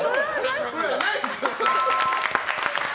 ナイス！